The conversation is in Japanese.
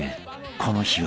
［この日は］